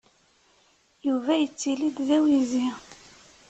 Yuba yettili-d d awizi.